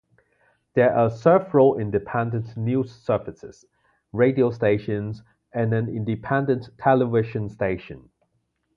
There are several independent news services, radio stations, and an independent television station.